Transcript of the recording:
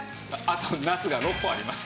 あとナスが６本あります。